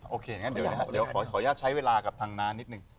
โอเคเดี๋ยวขอยากใช้เวลากับทางน้านิดนึง